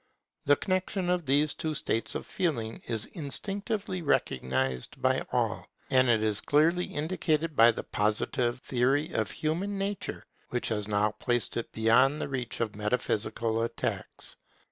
The connexion of these two states of feeling is instinctively recognized by all; and it is clearly indicated by the Positive theory of human nature, which has now placed it beyond the reach of metaphysical attacks.